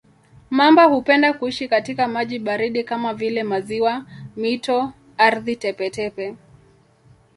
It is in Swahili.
Mamba hupenda kuishi katika maji baridi kama vile maziwa, mito, ardhi tepe-tepe.